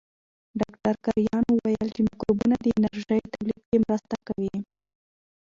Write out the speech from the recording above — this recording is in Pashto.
ډاکټر کرایان وویل چې مایکروبونه د انرژۍ تولید کې مرسته کوي.